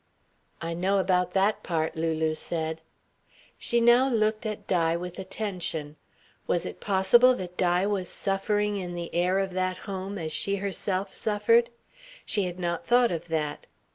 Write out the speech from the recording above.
"I know about that part," Lulu said. She now looked at Di with attention. Was it possible that Di was suffering in the air of that home as she herself suffered? She had not thought of that.